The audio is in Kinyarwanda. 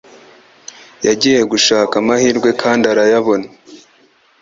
Yagiye gushaka amahirwe kandi arayabona